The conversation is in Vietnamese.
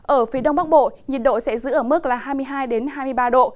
ở phía đông bắc bộ nhiệt độ sẽ giữ ở mức là hai mươi hai hai mươi ba độ